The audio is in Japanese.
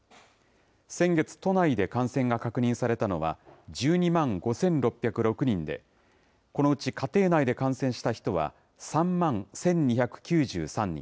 先月、都内で感染が確認されたのは、１２万５６０６人で、このうち家庭内で感染した人は３万１２９３人。